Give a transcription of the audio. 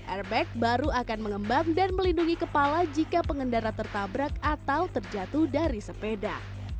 airbag baru akan mengembang dan melindungi kepala jika pengendara tertabrak atau terjatuh dari sepeda